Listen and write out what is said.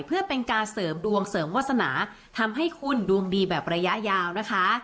เพื่อเป็นการเสริมดวงเสริมวาสนาทำให้คุณดวงดีแบบระยะยาวนะคะ